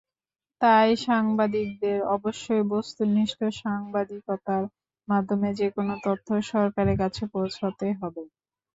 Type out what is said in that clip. তাই সাংবাদিকদের অবশ্যই বস্তুনিষ্ঠ সাংবাদিকতার মাধ্যমে যেকোনো তথ্য সরকারের কাছে পৌঁছাতে হবে।